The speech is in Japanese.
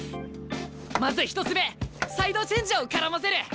まず１つ目サイドチェンジを絡ませる。